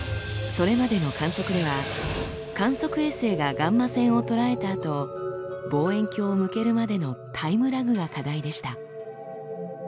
それまでの観測では観測衛星がガンマ線を捉えたあと望遠鏡を向けるまでのタイムラグが課題でした。